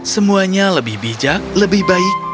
semuanya lebih bijak lebih baik